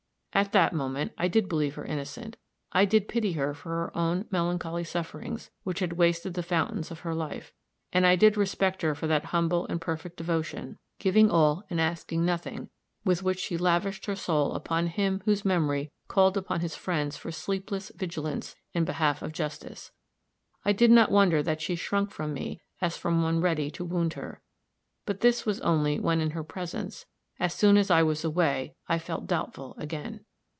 At that moment, I did believe her innocent; I did pity her for her own melancholy sufferings, which had wasted the fountains of her life; and I did respect her for that humble and perfect devotion, giving all and asking nothing, with which she lavished her soul upon him whose memory called upon his friends for sleepless vigilance in behalf of justice. I did not wonder that she shrunk from me as from one ready to wound her. But this was only when in her presence; as soon as I was away I felt doubtful again.